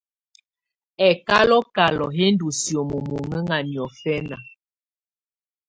Ɛkálɔ̀kálɔ̀ yɛ̀ ndù sìómó munɛna niɔ̀fɛna.